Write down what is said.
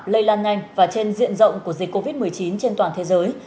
lây lan nhanh và trên diện rộng của dịch covid một mươi chín trên toàn thế giới